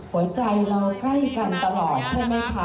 หัวใจเราใกล้กันตลอดใช่ไหมคะ